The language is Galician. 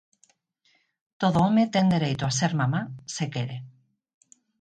Todo home ten dereito a ser mamá se quere.